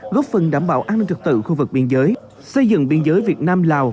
góp phần đảm bảo an ninh trật tự khu vực biên giới xây dựng biên giới việt nam lào